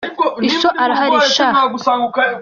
Iso arahari sha?